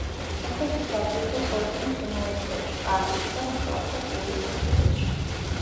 შემდეგ ის დადიოდა სორბონის უნივერსიტეტში, პარიზში და მუშაობდა კიურის ინსტიტუტში.